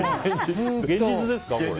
現実です。